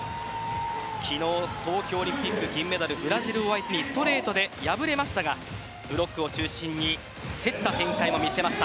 昨日、東京オリンピック銀メダルブラジルを相手に敗れましたがブロックを中心に競った展開を見せました。